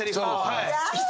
はい。